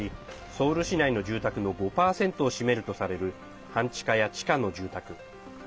ソウル市内の住宅の５％を占めるとされる半地下や地下の住宅。